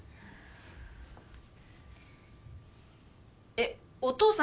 えっお父さん